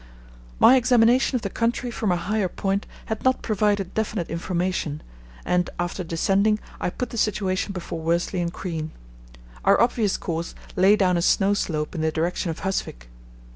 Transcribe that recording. My examination of the country from a higher point had not provided definite information, and after descending I put the situation before Worsley and Crean. Our obvious course lay down a snow slope in the direction of Husvik.